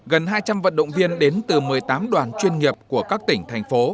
gần hai trăm linh vận động viên đến từ một mươi tám đoàn chuyên nghiệp của các tỉnh thành phố